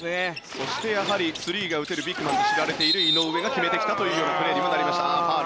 そしてスリーを打てる選手として知られている井上が決めてきたというプレーにもなりました。